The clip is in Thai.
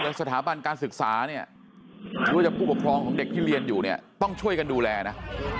ว่าสถาบันการศึกษาหรือผู้ปกครองของเด็กที่เรียนต้องช่วยกันดูแลนะ